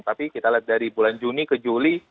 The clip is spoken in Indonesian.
tapi kita lihat dari bulan juni ke juli